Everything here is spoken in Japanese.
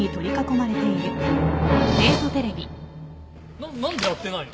なっ何でやってないの？